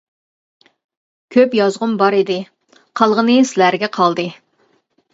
كۆپ يازغۇم بار ئىدى قالغىنى سىلەرگە قالدى.